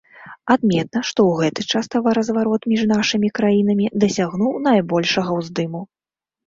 Адметна, што ў гэты час таваразварот між нашымі краінамі дасягнуў найбольшага ўздыму.